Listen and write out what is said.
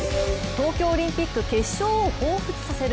東京オリンピック決勝をほうふつさせる